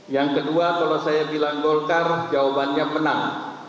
yang kedua kalau saya bilang golkar jawabannya menang